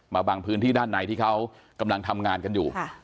บางพื้นที่ด้านในที่เขากำลังทำงานกันอยู่